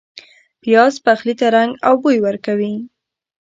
پیاز پخلي ته رنګ او بوی ورکوي